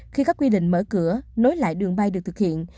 khi các quy định mở cửa nối lại đường bay được thực hiện